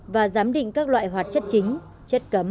và giám định các loại hoạt chất chính